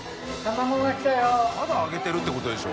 燭あげてるってことでしょ？